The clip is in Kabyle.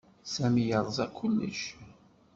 Sami yerẓa kullec.